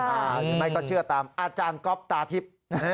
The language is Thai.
หรือไม่ก็เชื่อตามอาจารย์ก๊อปตาทิพย์